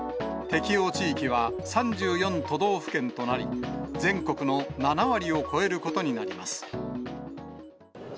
適用地域は３４都道府県となり、全国の７割を超えることになります。